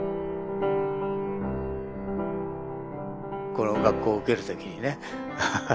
この学校を受ける時にねハハハ。